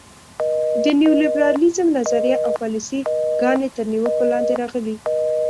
د نیولیبرالیزم نظریه او پالیسي ګانې تر نیوکو لاندې راغلي.